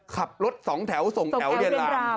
ขับรถสองแถวส่งแถวเรียนลา